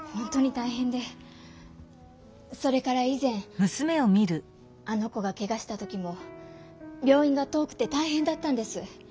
それから以前あの子がケガしたときも病院が遠くてたいへんだったんです。